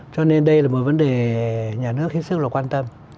cho nên đây là một vấn đề nhà nước hết sức là quan tâm